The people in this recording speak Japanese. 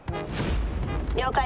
了解。